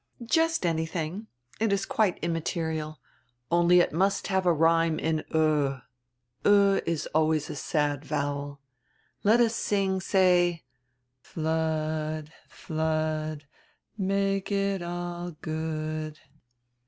"Just anything. It is quite immaterial, only it most have a rime in 'oo;' 'oo' is always a sad vowel. Let us sing, say: "Flood, flood, Make it all good."